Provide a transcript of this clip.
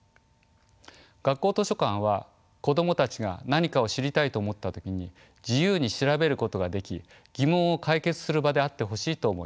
学校図書館は子供たちが何かを知りたいと思った時に自由に調べることができ疑問を解決する場であってほしいと思います。